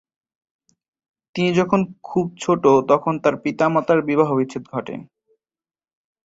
তিনি যখন খুব ছোট তখন তার পিতামাতার বিবাহবিচ্ছেদ ঘটে।